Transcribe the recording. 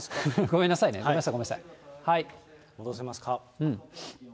ごめんなさいね、戻せますか。